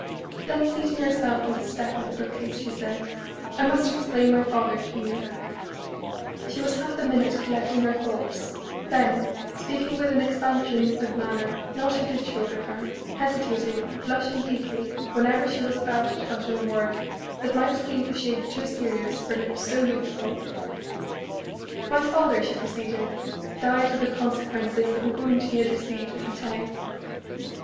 Then seating herself on the step of the book case, she said, "I must explain my father to you." She was half a minute collecting her thoughts: then, speaking with an expansion of manner not habitual with her, hesitating, and blushing deeply, whenever she was about to utter a word that might seem a shade too serious for lips so youthful: "My father," she proceeded, "died of the consequences of a wound he had received at Patay.